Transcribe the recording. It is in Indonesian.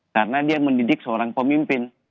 karena dia mendidik seorang pemimpin